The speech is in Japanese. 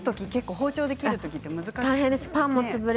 包丁で切るのは難しいですね。